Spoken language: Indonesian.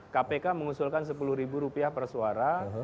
kpk mengusulkan sepuluh ribu rupiah persuara